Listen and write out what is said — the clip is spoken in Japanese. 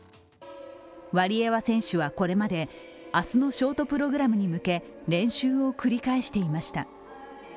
ワリエワ選手はこれまで、明日のショートプログラムに向け、練習を繰り返していました。